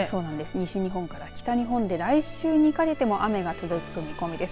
西日本から北日本で来週にかけて雨が続く見込みです。